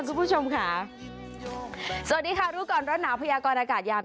คุณผู้ชมค่ะสวัสดีค่ะรู้ก่อนร้อนหนาวพยากรอากาศยาม